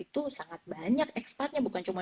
itu sangat banyak ekspatnya bukan cuma